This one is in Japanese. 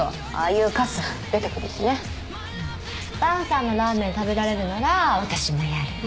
萬さんのラーメン食べられるなら私もやる。